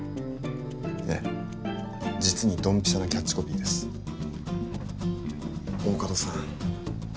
ええ実にドンピシャなキャッチコピーです大加戸さん